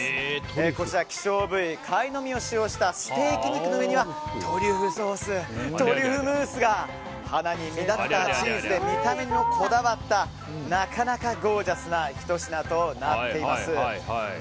こちら希少部位カイノミを使用したステーキ肉の上にはトリュフソーストリュフムースが花に見立てたチーズで見た目にもこだわったなかなかゴージャスなひと品となっています。